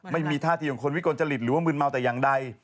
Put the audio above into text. ไม่มีท่าทีของคนวิกลจริตหรือว่ามืนเมาแต่อย่างใด